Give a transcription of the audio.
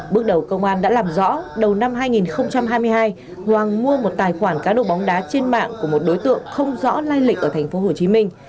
bước đầu công an đã làm rõ đầu năm hai nghìn hai mươi hai hoàng mua một tài khoản cá độ bóng đá trên mạng của một đối tượng không rõ lai lịch ở thành phố hồ chí minh